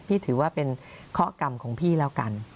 ถือว่าเป็นเคาะกรรมของพี่แล้วกัน